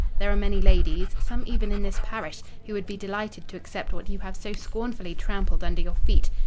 There are many ladies—some even in this parish—who would be delighted to accept what you have so scornfully trampled under your feet.